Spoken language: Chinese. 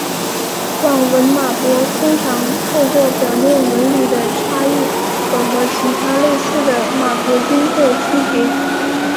网纹马勃通常透过表面纹理的差异可和其他类似的马勃菌作区别。